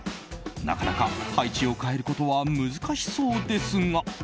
なかなか、配置を変えることは難しそうですが。